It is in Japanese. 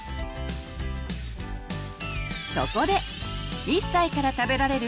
そこで「１歳から食べられる！